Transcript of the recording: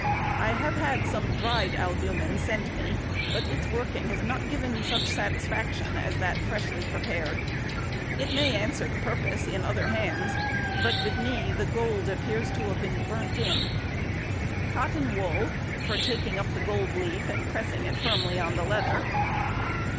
I have had some dried albumen sent me, but its working has not given me such satisfaction as that freshly prepared; it may answer the purpose in other hands, but with me the gold appears to have been burnt in. Cotton wool, for taking up the gold leaf and pressing it firmly on the leather.